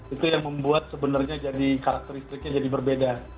itu yang membuat sebenarnya jadi karakteristiknya jadi berbeda